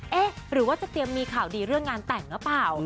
หรือว่าจะเตรียมมีข่าวดีเรื่องงานแต่งหรือเปล่า